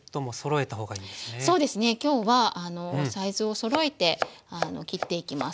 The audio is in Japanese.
そうですね今日はサイズをそろえて切っていきます